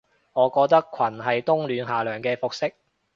我覺得裙係冬暖夏涼嘅服飾